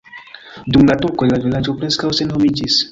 Dum la turkoj la vilaĝo preskaŭ senhomiĝis.